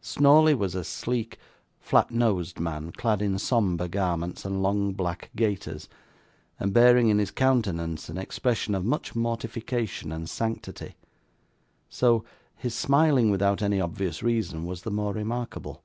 Snawley was a sleek, flat nosed man, clad in sombre garments, and long black gaiters, and bearing in his countenance an expression of much mortification and sanctity; so, his smiling without any obvious reason was the more remarkable.